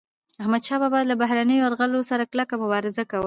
احمدشاه بابا به له بهرنيو یرغلګرو سره کلکه مبارزه کوله.